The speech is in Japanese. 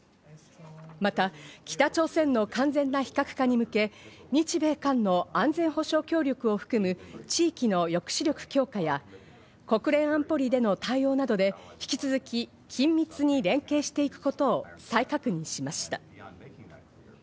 また北朝鮮の完全な非核化に向け、日米韓の安全保障協力を含む地域の抑止力強化や国連安保理での対応などで引き続き緊密に連携していくことを再確認しました。